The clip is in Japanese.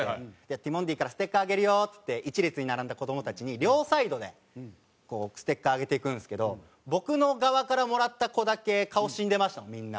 「ティモンディからステッカーあげるよ」っつって１列に並んだ子どもたちに両サイドでこうステッカーあげていくんですけど僕の側からもらった子だけ顔死んでましたもんみんな。